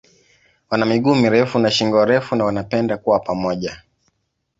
Wana miguu mirefu na shingo refu na wanapenda kuwa pamoja.